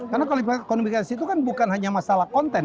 karena komunikasi itu kan bukan hanya masalah konten